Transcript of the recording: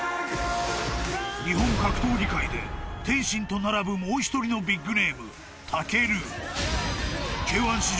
［日本格闘技界で天心と並ぶもう１人のビッグネーム］